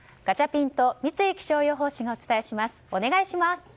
ガチャピンと三井気象予報士がお伝えします、お願いします。